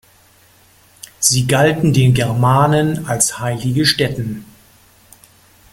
Sie galten den Germanen als heilige Stätten.